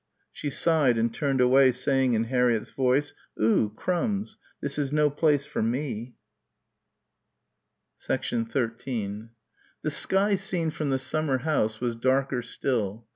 She sighed and turned away saying in Harriett's voice, "Oo crumbs! This is no place for me." 13 The sky seen from the summer house was darker still.